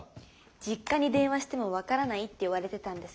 実家に電話しても分からないって言われてたんです